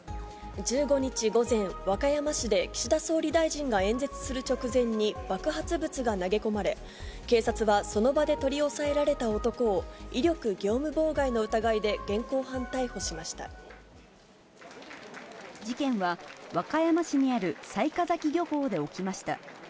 １５日午前、和歌山市で岸田総理大臣が演説する直前に、爆発物が投げ込まれ、警察はその場で取り押さえられた男を威力業務妨害の疑いで現行犯事件は和歌山市にある雑賀崎漁港で起きました。